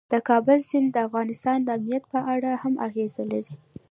د کابل سیند د افغانستان د امنیت په اړه هم اغېز لري.